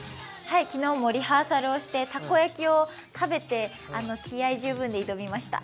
昨日もリハーサルをしてたこ焼きを食べて気合い十分で挑みました。